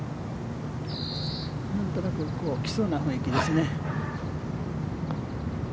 なんとなくきそうな雰囲気ですね。